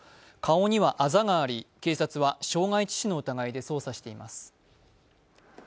顔にはあざがあり、警察は傷害致死の疑いで捜査しています。